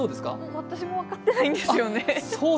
私も分かってないんですよね。